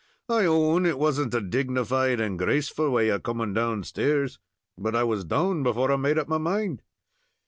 I own it wasn't a dignified and graceful way of coming down stairs, but I was down before I made up my mind."